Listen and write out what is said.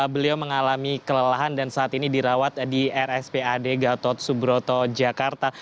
beliau mengalami kelelahan dan saat ini dirawat di rspad gatot subroto jakarta